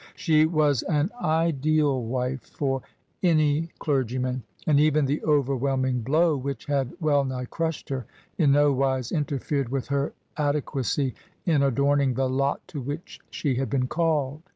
She was an ideal wife for any clergyman; and even the overwhelming blow which had well nigh crushed her in no wise interfered with her ade quacy in adorning the lot to which she had been called.